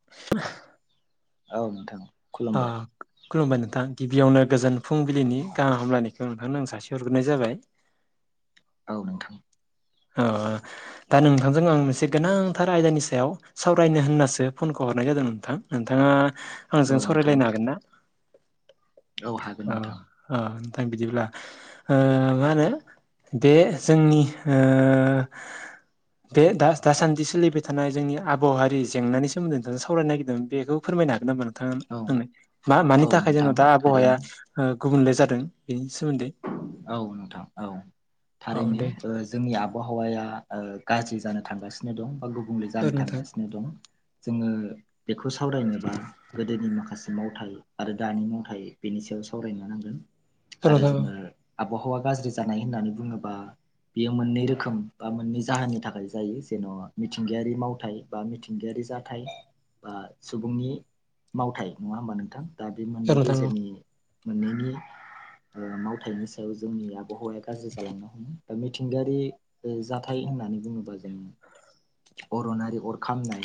[unintelligible] औ नोंथां। खुलुमबाय खुलुमबाय नोंथां गिबियावनो गोजोन फुंबिलिनि गाहाम हामलायनायखौ औ नोंथांनो जासिहरग्रोन जाबाय। औ नोंथां। दा नोंथांजों आं मोनसे गोनांथार आयदानि सायाव सावरायनो होननासो फनखौ हरनाय जादों नोंथां। नोंथाङा औ आंजों नोंथां सावरायलायनो हागोन ना? हागोन औ। नोंथां अ नोंथां। बिदिब्ला मा होनो बे जोंनि ओ बे दा दासान्दि सोलिबाय थानाय जोंनि आबहावारि जेंनानि सोमोन्दै नोंथां सावरायनो‌‌ नागिरदोंमोन। बेखौ फोरमायनो हागोन नामा? थाङा औ होननाय मा मानि औ थाखाय नोंथां जोंनो दा आबहावाया थारैनो गुबुनले जादों बेनि सोमोन्दै। औ नोंथां औ औ थारैनो। दे जोंनि आबहावाया गाज्रि जानो थांगासिनो दं बा गुबुंले औ जानो नोंथां थांगासिनो दं। जोङो बेखौ सावरायनोबा गोदोनि माखासे मावथाय आरो दानि मावथाइ बेनि सायाव सावरायनो नांगोन। औ आरो नोंथां औ जोङो आबहावा गाज्रि जानाय होननानै बुङोब्ला बेयो मोननै रोखोम बा मोननै जाहोननि थाखाय जायो। जेन' मिथिंगायारि मावथाइ बा मिथिंगायारि जाथाय बा सुबुंनि मावथाइ नङा होमबा नोंथां। दा बे औ मोननै नोंथां औ गेजेरनि मोननैनि मावथायनि सायाव सायाव जोंनि आबहावाया गाज्रि जालांनो हमो बा मिथिंगायारि जाथाय होननानै बुङोबा जोंङो अरनारि अर खामनाय,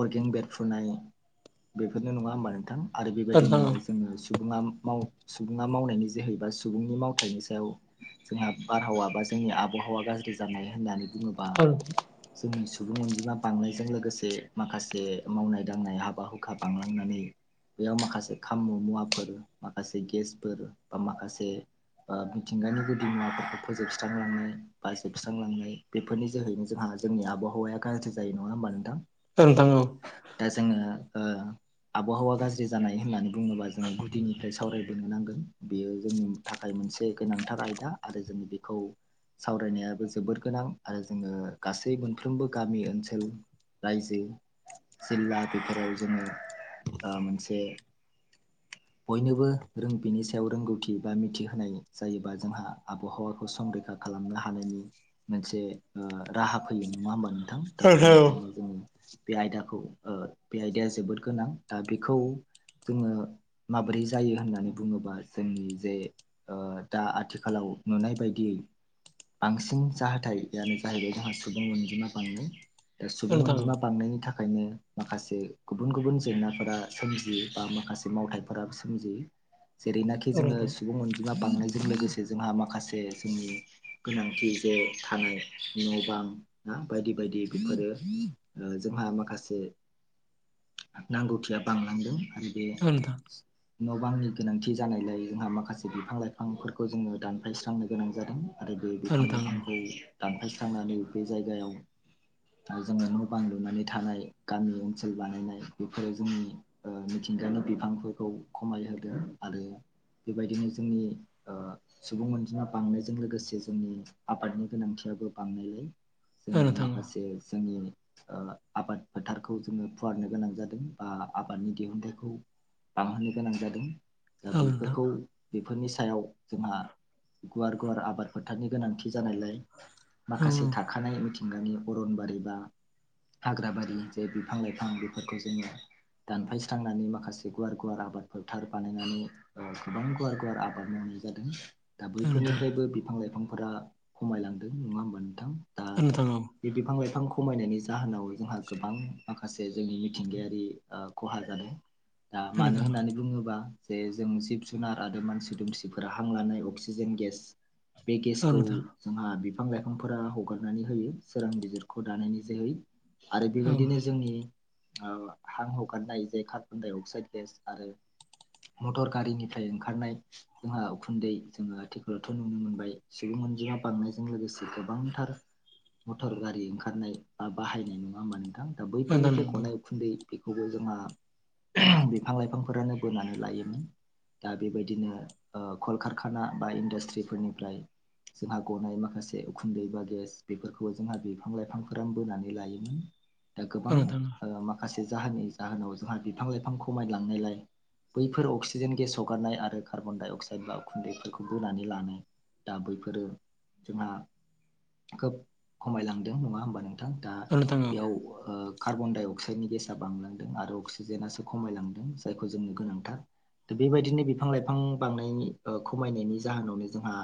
अरगें बेरफुनाय बेफोरनो नङा होमबा नोंथां। आरो बे औ नोंथां बायदिनो औ जोङो सुबु-सुबुङा मावनायनि जोहैबा सुबुंनि माव मावथायनि सायाव जोंहा बारहावा बा जोंनि आबहावा गाज्रि जानाय होननानै बुंबा औ नोंथां औ जोंनि सुबुं अनजिमा बांनायजों लोगोसे माखासे मावनाय दांनाय हाबा हुखा बांलांनानै बेयाव माखासे खाम' मुवाफोर माखासे गेसफोर बा माखासे मिथिंगानि गुदि मुवाफोरखौ फोजोबस्रांलांनाय बा जोबस्रांलांनाय बेफोरनि जोहैनो जोंहा जोंनि आबहावाया गाज्रि जायो नङा होमबा नोंथां। औ नोंथां औ। दा जोङो ओ आबहावा गाज्रि जानाय होननानै बुङोबा जोङो गुदिनिफ्राय सावराय सावरायनो नांगोन बेयो जोंनि थाखाय मोनसे गोनांथार आयदा आरो जोङो बेखौ सावरायनायाबो जोबोर गोनां आरो जोङो गासै मोनफ्रोमबो गामि ओनसोल रायजो जिल्ला बेफोराव जोङो ओ मोनसे बयनोबो रों बेनि सायाव रोंगौथि बा मिथिहोनाय जायोबा जोंहा आबहावाखौ संरैखा खालामनो हानायनि मोनसे राहा फैयो नङा होमबा नों थां? दा बेनिखायनो जोङो बे आयदाखौ ओ बे आयदाया जोबोद गोनां दा बेखौ जोङो माबोरै जायो होननानै बुङोबा जोंनि जे ओ दा आथिखालाव नुनाय बायदियै बांसिन जाहाथाय आनो जाहैबाय जोंहा सुबुं अनजिमा बांनाय दा औ सुबुं नोंथां अनजिमा बांनायनि था खायनो माखासे गुबुन गुबुन जेंनाफोरा सोमजियो बा माखासे मावथाइफोरा सोमजियो जेरैनाखि औ जोङो नोंथां सुबुं अनजिमा बांनायजों लोगोसे जोंहा माखासे जोंनि गोनांथि जे थानाय न' बां ना बायदि बायदि बेफोरो ओ जोंहा माखासे नांगौथिया बांलांदों आरो बे औ नोंथां न' बांनि गोनांथि जानायलाय जोंहा माखासे बिफां लाइफांफोरखौ जोङो दानफायस्रांनो गोनां जादों आरो बे औ बिफां नोंथां औ लाइफांखौ दानफारस्रांनानै बे जायगायाव थाय जोङो न' बां लुनानै थानाय गामि ओनसोल बानायनाय बेफोरो जोंनि ओ मिथिंगानि बिफांफोरखौ खमायहोदों आरो बेबायदिनो जोंनि ओ सुबुं अनजिमा बांनायजों लोगोसे जोंनि आबादनि गोनांथियाबो बांनायलाय औ जोंनि नोंथां औ माखासे जोंनि ओ आबाद फोथारखौ जोङो फुवारनो गोनां जादों बा आबादनि दिहुनथाइखौ बांहोनो गोनां जादों औ दा नोंथां औ नोंथां औ नोंथां औ बेफोरखौ बेफोरनि सायाव जोंहा गुवार गुवार आबाद फोथारनि गोनांथि जानायलाय माखासे थाखानाय मिथिंगानि अरनबारि बा हाग्रा बारि जे बिफां लाइफां बेफोरखौ जोङो दानफायस्रांनानै माखासे गुवार गुवार आबाद फोथार बानायनानै ओ गोबां गुवार गुवार आबाद मावनाय जादों। दा बैफोरनिफ्रायबो बिफां लाइफांफोरा खमायलांदों नङा होमबा नोंथां? दा औ नोंथां औ। बे बिफां लाइफां खमायनायनि जाहोनाव जोंहा गोबां माखासे जोंनि मिथिंगायारि ओ खहा जादों। दा मानो होननानै बुङोबा जे जों जिब जुनार आरो मानसि दुमसिफोरा हां लानाय अक्सिजेन गेस बे गेसखौ नोंथां जोंहा बिफां लाइफांफोरा हगारनानै होयो सोरां बिजिरखौ दानायनि जोहै आरो औ बेबायदिनो जोंनि ओ हां हगारनाय जे कारबडाइ अ अकसाइ गेस आरो मटर गारिनिफ्राय ओंखारनाय जोंहा उखुन्दै जोङो आथिखालावथ' नुनो मोनबाय सुबुं अनजिमा बांनायजों लोगोसे गोबांथार मटर गारि ओंखारनाय बा बाहायनाय नङा होमबा नोंथां? दा नोंथां बैफोरनिफ्राय नंगौ गनाय उखुन्दै बेखौबो जोंहा बिफां लाइफांफोरानो बोनानै लायोमोन। दा बेबायदिनो ओ कलकारखाना बा इन्डास्ट्रिफोरनिफ्राय जोंहा गनाय माखासे उखुन्दै बा गेस बेफोरखौबो जोंहा बिफां लाइफांफोर बोनानै लायोमोन। दा औ गोबां नोंथां ओ माखासे जाहोननि जाहोनाव जोंहा बिफां लाइफां खमायलांनायलाय बैफोर अक्सिजेन गेस हगारनाय आरो कार्बनडाइ अक्साइड बा उखुन्दैफोरखौ बोनानै लानो दा बैफोरो जोंहा खोब खमायलांदों नङा होमबा नों थां? दा औ नोंथां औ बेयाव ओ कार्बन डाइ अक्साइडनि गेस बांलांदों आरो अक्सिजेन जेनासो खमायलांदों जायखौ जोंनो गोनांथार। दा बेबायदिनो बिफां लाइफां बांनाय खमायनायनि जाहोनावनो जोंहा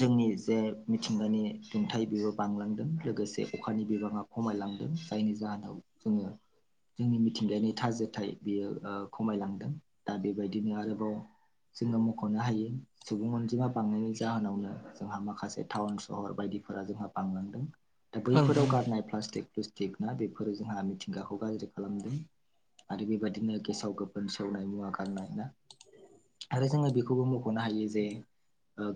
जोंनि जे मिथिंगानि दुंथाइ बेबो बांलांदों लोगोसे अखानि बिबाङा खमायलांदों जायनि जाहोनाव जोङो जोंनि मिथिंगायनि थाजिथाय बियो खमायलांदों दा बेबायदिनो आरोबाव जोङो मख'नो हायो। सुबुं अनजिमा बांनायनि जाहोनावनो जोंहा माखासे टाउन सहर बायदिफोरा जोंहा बांलांदों दा औ नोंथां औ बैफोराव औ नोंथां गारनाय प्लास्टिक प्लुस्टिक ना बेफोरो जोंहा मिथिंगाखौ गाज्रि खालामदों। आरो बेबायदिनो गेसाव गोफोन सेवनाय मुवा गारनाया आरो जोङो बेखौबो मख'नो हायो जे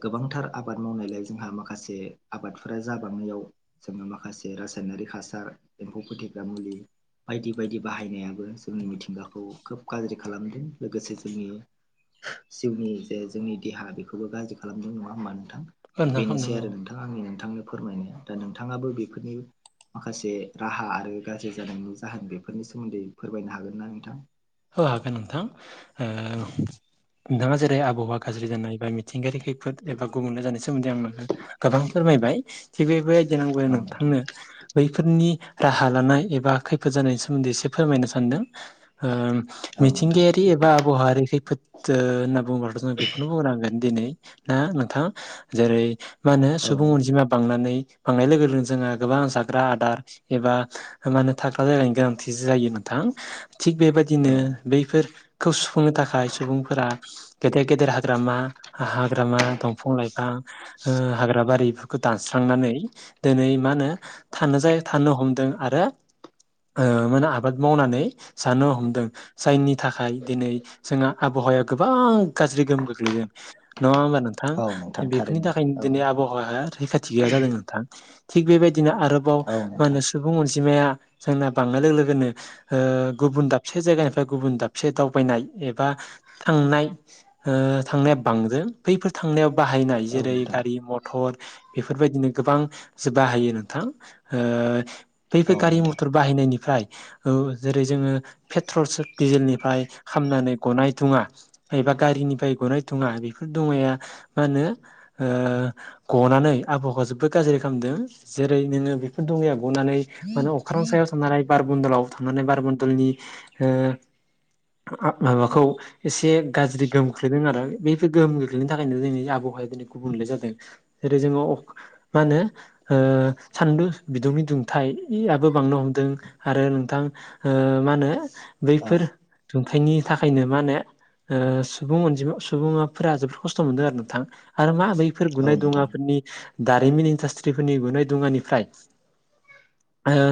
गोबांथार आबाद मावनायलाय जोंहा माखासे आबादफोरा जाबांनायाव जोङो माखासे रासायनारिक हासार एम्फौ फोथेग्रा मुलि बायदि बायदि बाहायनाया जोंनि मिथिंगाखौ खोब गाज्रि खालामदों लोगोसे जोंनि जिउनि जे जोंनि देहा बेखौबो गाज्रि खालामदों नङा होमबा नोंथां दा बेनोसै आरो खालामनांगौ नोंथां। नों आंनि नोंथांनो फोरमायनो दा नोंथाङाबो बेफोरनि माखासे राहा आरो गाज्रि जानायनि जाहोन बेफोरनि सोमोन्दै फोरमायनो हागोन ना नोंथां? हो हागोन नोंथां औ नोंथाङा जेरै आबहावा गाज्रि जानाय बा मिथिंगायारि खैफोद एबा गुबुननो जानाय सोमोन्दै आं गोबां फोरमायबाय। थिग बेबायदि नांगौ औ नोंथां नोंथांनो बैफोरनि राहा लानाय एबा खैफोद जानायनि सोमोन्दै एसे फोरमायनो सानदों। औ नोंथां मिथिंगायारि बि एबा आबहावायारि खैफोद होनना बुङ्लाथ' जों बेखौनो बुंनांगोन दिनै ना नोंथाङा जेरै मा होनो औ सुबुं अनजिमा बांनानै बांनाय लोगो लोग जोङो गोबां जाग्रा आदार एबा माने थाग्रा जायायनायनि गोनांथि जायो नोंथां। थिग बेबायदिनो औ बैफोरखौ सुफुंनो थाखाय सुबुंफोरा गेदेर गेदेर हाग्रामा हाग्रामा दंफां लाइफां हाग्रा बारि खौ दानस्रांनानै दिनै मा होनो थानो जायो थानो हमदों आरो माने आबाद मावनानै जानो हमदों। जायनिनि थाखाय दिनै जोंहा आबहावाया गोबां गाज्रि गोहोम गोग्लैदों। नङा होमबा नोंथां औ नोंथां बेफोरनि थारैनो थाखायनो औ दिनै आबहावाया रैखाथि गैया जादों नोंथां। थिग बेबायदिनो आरोबाव औ मा नोंथां होनो सुबुं अनजिमाया जोंना बांनाय लोगो लोगोनो ओ गुबुन दाबसे जायगानिफ्राय गुबुन दाबसे दावबायनाय एबा थांनाय थांनाया बांदो बैफोर थांनायाव बाहायनाय औ जेरै नोंथां गारि मथर बेफोरबायदिनो गोबां जोब बाहायो नोंथां औ बैफोर गारि नोंथां मथर बाहायनायनिफ्राय ओ जेरै जोङो पेट्रल दिजेलनिफ्राय खामनानै गनाय दुङा एबा गारिनिफ्राय गनायथङा बेफोर दुङाया मा होनो ओ गनानै आबहावखौ जोबोद गाज्रि खालामदों जेरै नोङो बेफोर दुङिया गनानै मा होनो अख्रां सायाव थांनानै बारबन्दलाव थांनानै बारबन्दलनि ओ माबाखौ एसे गाज्रि गोहोम खोलैदों आरो बैफोर गोहोम खोख्लैनायनि थाखायनो दिोंनि आबहावाया दिनै गुबुंले जादों। जेरै जोङो मा होनो। सानदु बिदुंनि दुंथाययाबबो बांनो हमदों आरो नोंथां। मा होनो औ बैफोर दुंखाइनि थाखायनो मा होनो सुबुं अनजिमा सुबुङाफोरा जोबोद खस्थ' मोनदों आरो नोंथां आरो मा बै औ गुनाय नोंथां दुङाफोरनि दारिमिन इडासट्रिफोरनि गुनाय दुङानिफ्राय।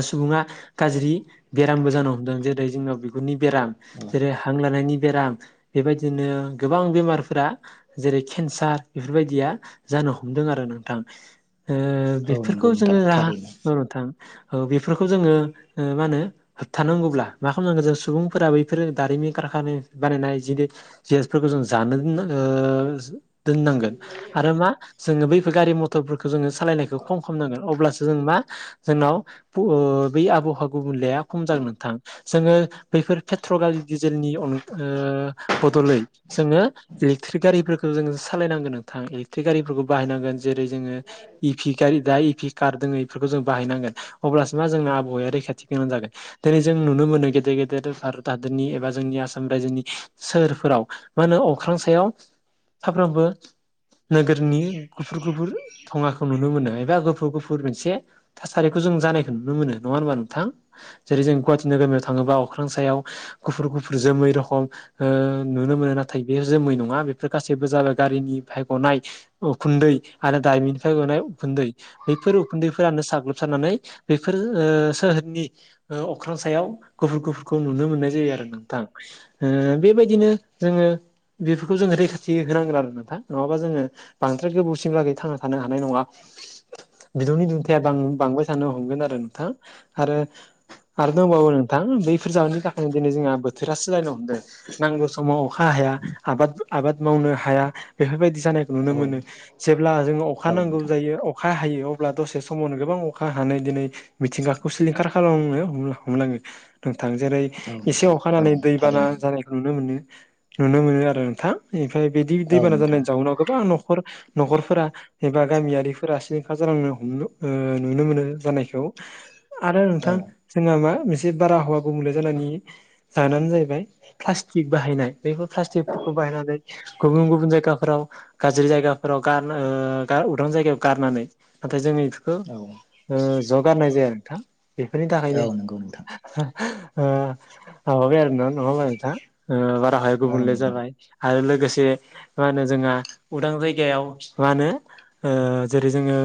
सुबुङा गाज्रि दामबो जानो हमदों जेरै जोंनाव बिगुरनि बेराम औ जेरै हां लानायनि बेराम बेबायदिनो गोबां बेमारफोरा जेरै केन्सार बेफोरबायदिया जानो हमदों आरो नोंथां। ओ औ नंगौ बेफोरखौ नोंथां जोङो राहा थारैनो औ नोंथां बेफोरखौ जोङो ओ मा होनो होबथानांगौब्ला मा खालामनांगौ जों सुबुंफोरा बैफोर दारिमि खारखानानि बानायनाय जदि जिनिसफोरखौ जों जानो ओ दोननांगोन आरो मा जोङो बैफोर गारि म थरफोरखौ जोङो सालायनायखौ खम खालामनांगोन अब्लासो जों मा जोंनाव ओ बै आबहावा गुबुंलेया खम जागोन नोंथां जोङो बैफोर पेट्रल गारि डिजेलनि अ ओ बदलै जोङो इलेकट्रिक गारिफोरखौ जों सालायनांगोन नोंथां इलेकट्रिक गारिफोरखौ बाहायनांगोन जेरै जोङो इपि गारि दा इपि खारदों बेफोरखौ जों बाहायनांगोन अब्लासो मा जोंना आबहावाया रैखाथि गोनां जागोन दिनै जों नुनो मोनो गेदेर गेदेर भारत हादरनि एबा जोंनि आसाम रायजोनि सोहोरफोराव मा होनो अख्रां सायाव सामफ्रोमबो नोगोरनि गुफुर गुफुर थुङाखौ नुनो मोनो एबा गुफुर गुफु र मोनसे थासारिखौ जों जानायखौ नुनो मोनो नङा होनबा नोंथां। जेरै जों गुवाहाटि नोगोरमायाव थाङोबा अख्रां सायाव गुफुर गुफुर जोमै रखम ओक्षनुनो मोनो नाथाय बे जोमै नङा बेफोर गासैबो जाबाय गारिनिफ्राय गनाय उखुन्दै आरो दारिमिननिफ्राय गनाय उखुन्दै बैफोर उखुन्दैफोरानो साग्लोबसारनानै बेफोर ओ सोहोरनि ओ अख्रां सायाव गुफुर गुफुरखौ नुनो मोननाय जायो आरो नोंथां। ओ बेबायदिनो जोङो बेफोरखौ जोङो रैखा थि होनांगोन आरो नोंथा नङाबा जोङो बांद्राय गोबावसिम लागै थांना थानो हानाय नङा। बिदुंनि दुुंथाया बां-बांबाय थानो हमगोन आरो नोंथां आरो आरो दंबावो नोंथां बैफोर जाहोननि था खाय दिनै जोंहा बोथोरा सोलायनो हमदों। नांगौ समाव अखा हाया आबाद आबाद मावनो हाया बेफोरबायदि जानाय नुनो औ मोनो जेब्ला जोंङो अखा औ नांगौ नोंथां जायो अखा हायो अब्ला दसे समावनो गोबां अखा हानानै दिनै मिथिंगाखौ सिलिंखार खालामो। हमलाङो नोंथां जेरै औ एसे नोंथां औ अखानानै दैबाना थारैनो जानाय नुनो मोनो नुनो मोनो आरो नोंथां ओमफ्राय बिदि औ दैबाना नोंथां जानायनि जाउनाव गोबां न'खर न'खरफोरा एबा गामियारिफोरा सिलिंखार जालांनो हमनो ओ नुनो मोनो जानायखौ आरो औ नोंथां जोंहा मा मोनसे बारहावा गुबुंले जानानै जानानै जाहैबाय प्लाष्टिक बाहायनाय बेफोर प्लाष्टिकफोरखौ बाहायनानै गुबुन गुबुन जायगाफोराव गाज्रि जायगाफोराव गार ओ उदां जायगायाव गारनानै नाथाय जोंनि बेखौ औ ओ जगारनाय जाया नोंथा बेफोरनि औ नंगौ नोंथां [unintelligible] बाराहाय औ गुबुंले नोंथां जाबाय आरो लोगोसे मा होनो जोंहा उदां जायगायाव मा होनो। ओ जेरै जोङो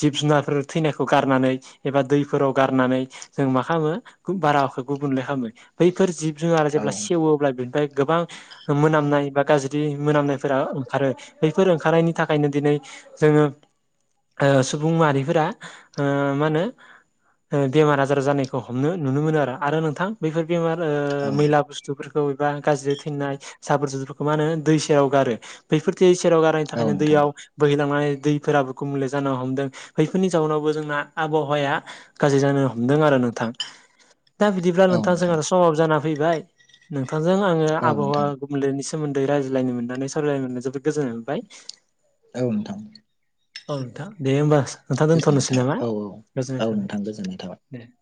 जिब-जुनारफोर थैनायखौ गारनानै एबा दैफोराव गारनानै जों मा खालामो बारहावाखौ गुबुंले खालामो बैफोर जिब-जुनार जेब्ला औ सेवोब्ला बेनिफ्राय गोबां मोनामनाय बा गाज्रि मोनामनायफोरा ओंखारो बैफोर ओंखारनायनि थाखायनो दिनै जोङो ओ सुबुं माहारिफोरा ओ मा होनो ओ बेमार आजार जानायखौ हमनो नुनो मोनो आरो नोंथां बैफोर बेमार ओ औ मैला बुस्थु बेफोरखौ एबा गाज्रि थैनाय जाबोर-जुबोरफोरखौ मा होनो दैसायाव गारो बेफोरदि सेराव गारनायनि औ थाखायनो नोंथां दैयाव बोहैलांनानै दैफोराबो गुब मले जानो हमदों बेैफोरनि जाउनावबो जोंना आबहावाया गाज्रि जानो हमदों आरो नोंथां दा बिदिब्ला नोंथां जोंहा समाब जाना फैबाय नोंथांजों आङो औ आबहावा नोंथां गुबनलेनि सोमोन्दै रायज्लायनो मोन्नानै सावरायलायनो मोननानै जोबोद गोजोननाय मोनबाय। औ नोंथां। औ नोंथां दे होमबा नोंथां गोजोननाय दोनथ'नोसै थाबाय नामा? औ औ औ गोजोननाय नोंथां थाबाय। गोजोननाय थाबाय‌। दे